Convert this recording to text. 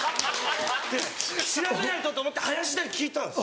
で調べないとと思って林田に聞いたんです。